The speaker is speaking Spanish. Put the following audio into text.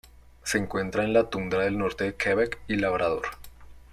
Se encuentra en la tundra del norte de Quebec y Labrador.